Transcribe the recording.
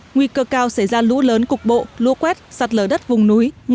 nguy cơ cao sẽ ra lũ lớn cục bộ lua quét sạt lở đất vùng núi